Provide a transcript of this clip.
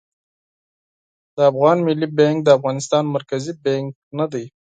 د افغان ملي بانک د افغانستان مرکزي بانک نه دي